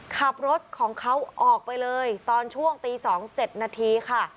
ขับรถของเขาออกไปเลยตอนช่วงตี๒๗นาทีค่ะ